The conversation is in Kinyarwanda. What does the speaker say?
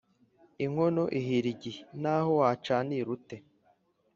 Inkono ihira igihe, n’aho wacanira ute.